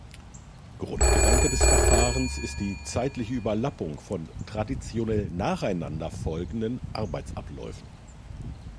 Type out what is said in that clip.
Grundgedanke des Verfahrens ist die zeitliche Überlappung von traditionell nacheinander folgenden Arbeitsabläufen.